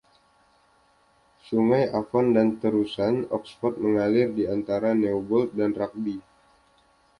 Sungai Avon dan Terusan Oxford mengalir di antara Newbold dan Rugby.